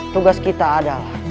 tugas kita adalah